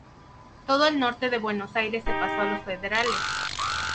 Todo el norte de Buenos Aires se pasó a los federales.